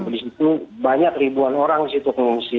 di situ banyak ribuan orang di situ pengungsi